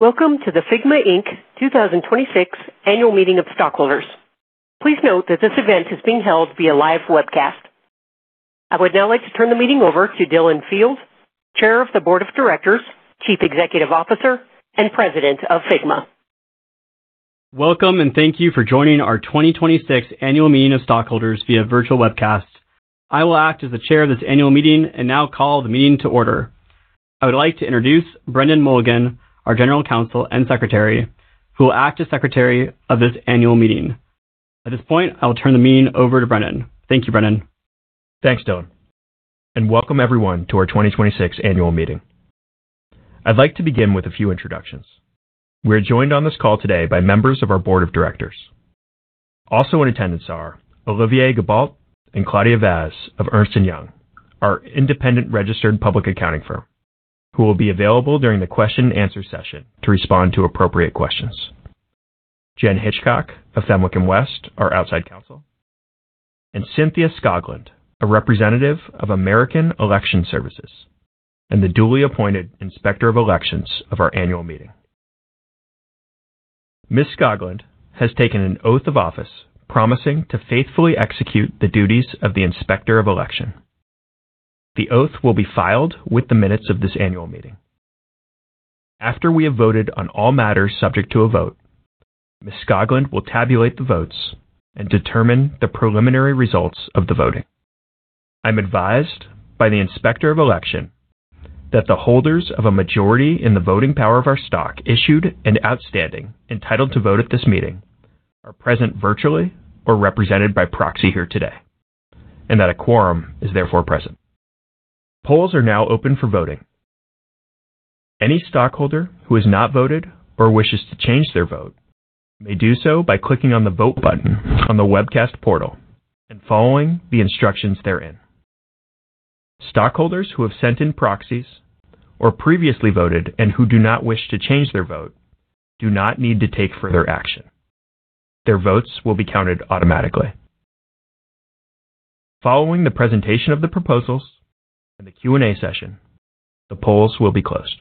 Welcome to the Figma, Inc. 2026 annual meeting of stockholders. Please note that this event is being held via live webcast. I would now like to turn the meeting over to Dylan Field, Chair of the Board of Directors, Chief Executive Officer, and President of Figma. Welcome and thank you for joining our 2026 annual meeting of stockholders via virtual webcast. I will act as the chair of this annual meeting and now call the meeting to order. I would like to introduce Brendan Mulligan, our General Counsel and Secretary, who will act as Secretary of this annual meeting. At this point, I will turn the meeting over to Brendan. Thank you, Brendan. Thanks, Dylan, and welcome everyone to our 2026 annual meeting. I'd like to begin with a few introductions. We're joined on this call today by members of our board of directors. Also in attendance are Olivier Gabalt and Claudia Vaz of Ernst & Young, our independent registered public accounting firm, who will be available during the question-and-answer session to respond to appropriate questions. Jen Hitchcock of Fenwick & West, our outside counsel, and Cynthia Skoglund, a representative of American Election Services and the duly appointed Inspector of Elections of our annual meeting. Ms. Skoglund has taken an oath of office promising to faithfully execute the duties of the Inspector of Election. The oath will be filed with the minutes of this annual meeting. After we have voted on all matters subject to a vote, Ms. Skoglund will tabulate the votes and determine the preliminary results of the voting. I'm advised by the Inspector of Election that the holders of a majority in the voting power of our stock issued and outstanding, entitled to vote at this meeting, are present virtually or represented by proxy here today, and that a quorum is therefore present. Polls are now open for voting. Any stockholder who has not voted or wishes to change their vote may do so by clicking on the vote button on the webcast portal and following the instructions therein. Stockholders who have sent in proxies or previously voted and who do not wish to change their vote do not need to take further action. Their votes will be counted automatically. Following the presentation of the proposals and the Q&A session, the polls will be closed.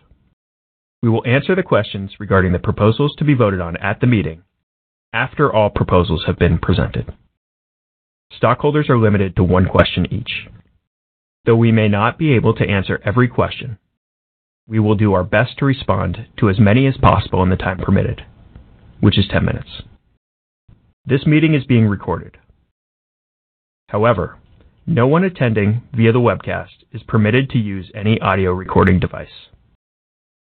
We will answer the questions regarding the proposals to be voted on at the meeting after all proposals have been presented. Stockholders are limited to one question each. Though we may not be able to answer every question, we will do our best to respond to as many as possible in the time permitted, which is 10 minutes. This meeting is being recorded. However, no one attending via the webcast is permitted to use any audio recording device.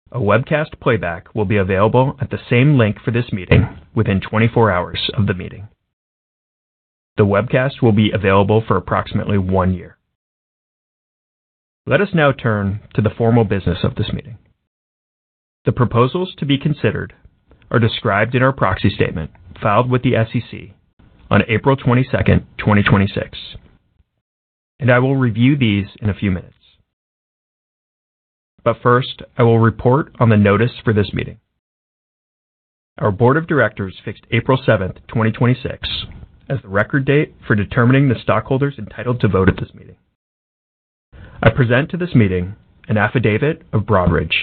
A webcast playback will be available at the same link for this meeting within 24 hours of the meeting. The webcast will be available for approximately one year. Let us now turn to the formal business of this meeting. The proposals to be considered are described in our proxy statement filed with the SEC on April 22nd, 2026, and I will review these in a few minutes. First, I will report on the notice for this meeting. Our board of directors fixed April 7th, 2026, as the record date for determining the stockholders entitled to vote at this meeting. I present to this meeting an affidavit of Broadridge,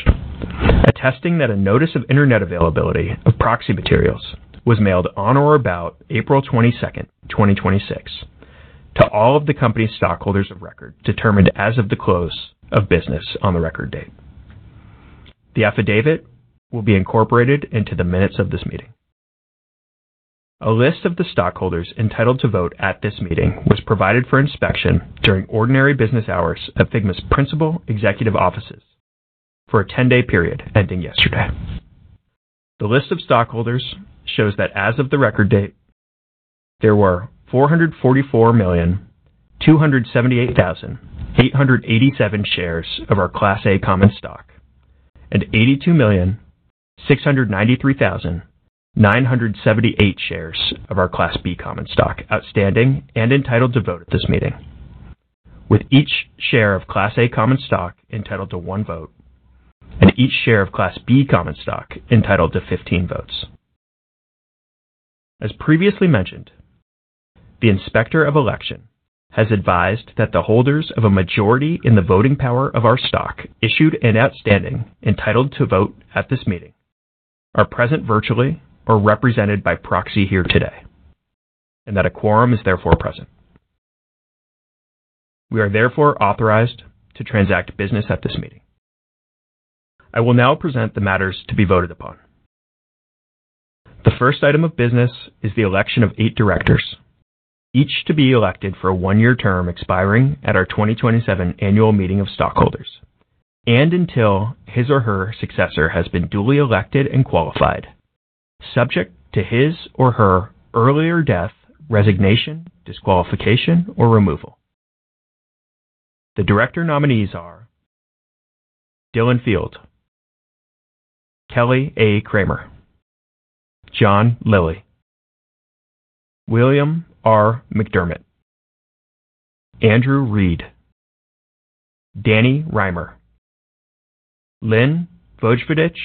attesting that a notice of internet availability of proxy materials was mailed on or about April 22nd, 2026, to all of the company's stockholders of record determined as of the close of business on the record date. The affidavit will be incorporated into the minutes of this meeting. A list of the stockholders entitled to vote at this meeting was provided for inspection during ordinary business hours at Figma's principal executive offices for a 10-day period ending yesterday. The list of stockholders shows that as of the record date, there were 444,278,887 shares of our Class A common stock and 82,693,978 shares of our Class B common stock outstanding and entitled to vote at this meeting, with each share of Class A common stock entitled to one vote and each share of Class B common stock entitled to 15 votes. As previously mentioned, the Inspector of Election has advised that the holders of a majority in the voting power of our stock issued and outstanding entitled to vote at this meeting are present virtually or represented by proxy here today, and that a quorum is therefore present. We are therefore authorized to transact business at this meeting. I will now present the matters to be voted upon. The first item of business is the election of eight directors, each to be elected for a one-year term expiring at our 2027 annual meeting of stockholders, and until his or her successor has been duly elected and qualified, subject to his or her earlier death, resignation, disqualification, or removal. The director nominees are Dylan Field, Kelly A. Kramer, John Lilly, William R. McDermott, Andrew Reed, Danny Rimer, Lynn Vojvodich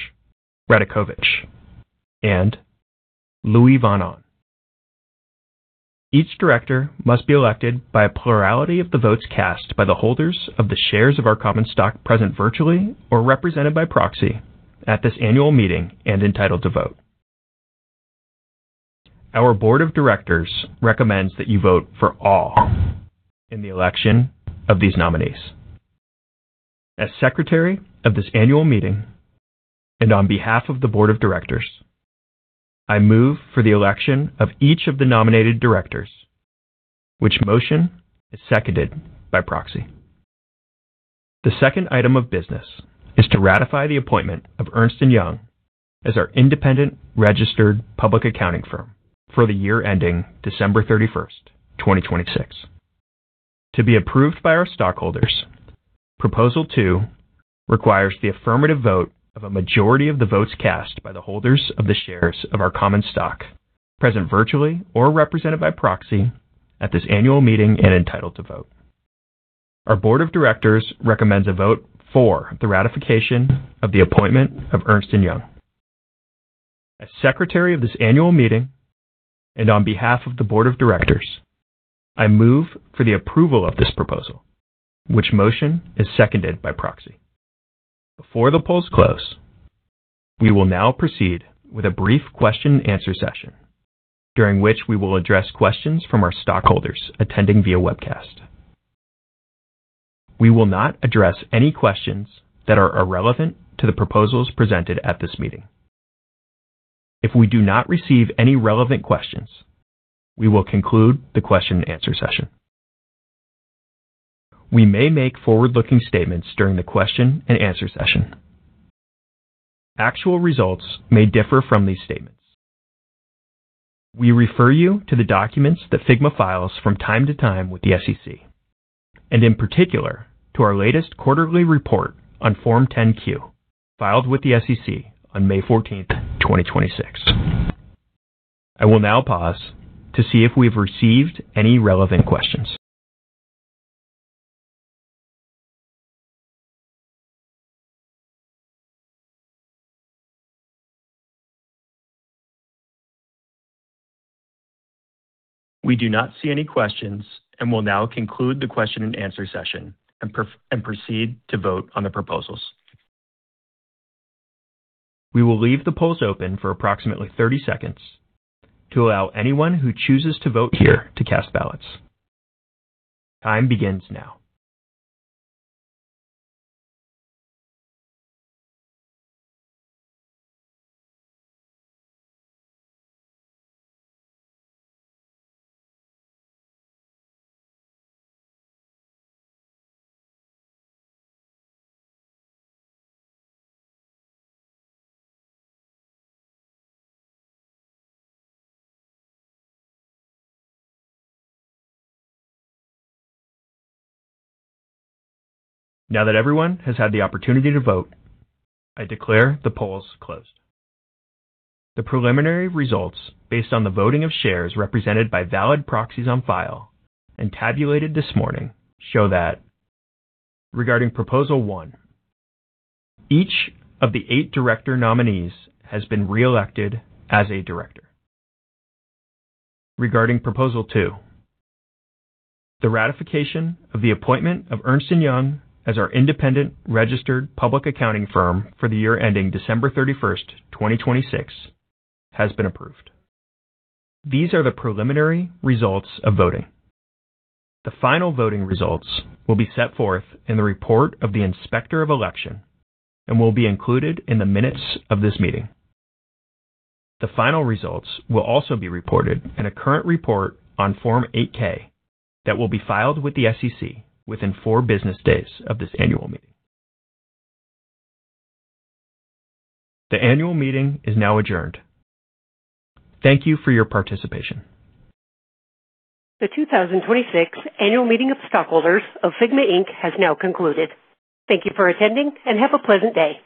Radakovich, and Luis von Ahn. Each director must be elected by a plurality of the votes cast by the holders of the shares of our common stock present virtually or represented by proxy at this annual meeting and entitled to vote. Our board of directors recommends that you vote for all in the election of these nominees. As secretary of this annual meeting and on behalf of the Board of Directors, I move for the election of each of the nominated directors, which motion is seconded by proxy. The second item of business is to ratify the appointment of Ernst & Young as our independent registered public accounting firm for the year ending December 31st, 2026. To be approved by our stockholders, proposal two requires the affirmative vote of a majority of the votes cast by the holders of the shares of our common stock present virtually or represented by proxy at this annual meeting and entitled to vote. Our Board of Directors recommends a vote for the ratification of the appointment of Ernst & Young. As secretary of this annual meeting and on behalf of the Board of Directors, I move for the approval of this proposal, which motion is seconded by proxy. Before the polls close, we will now proceed with a brief question-and-answer session, during which we will address questions from our stockholders attending via webcast. We will not address any questions that are irrelevant to the proposals presented at this meeting. If we do not receive any relevant questions, we will conclude the question-and-answer session. We may make forward-looking statements during the question-and-answer session. Actual results may differ from these statements. We refer you to the documents that Figma files from time to time with the SEC, and in particular to our latest quarterly report on Form 10-Q filed with the SEC on May 14th, 2026. I will now pause to see if we've received any relevant questions. We do not see any questions and will now conclude the question-and-answer session and proceed to vote on the proposals. We will leave the polls open for approximately 30 seconds to allow anyone who chooses to vote here to cast ballots. Time begins now. Now that everyone has had the opportunity to vote, I declare the polls closed. The preliminary results, based on the voting of shares represented by valid proxies on file and tabulated this morning, show that regarding proposal one, each of the eight director nominees has been reelected as a director. Regarding proposal two, the ratification of the appointment of Ernst & Young as our independent registered public accounting firm for the year ending December 31st, 2026, has been approved. These are the preliminary results of voting. The final voting results will be set forth in the report of the Inspector of Election and will be included in the minutes of this meeting. The final results will also be reported in a current report on Form 8-K that will be filed with the SEC within four business days of this annual meeting. The annual meeting is now adjourned. Thank you for your participation. The 2026 Annual Meeting of Stockholders of Figma, Inc. has now concluded. Thank you for attending and have a pleasant day.